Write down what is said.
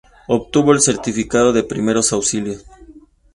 Obtuvo el Certificado de Primeros Auxilios.